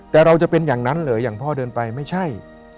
แต่เราจะเป็นอย่างนั้นเหรออย่างพ่อเดินไปไม่ใช่